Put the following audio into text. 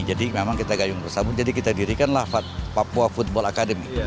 jadi memang kita gayung bersambut jadi kita dirikanlah papua football academy